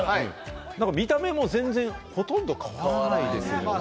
見た目も全然、ほとんど変わらない。